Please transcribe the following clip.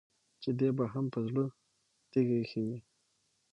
چې دې به هم په زړه تيږه اېښې وي.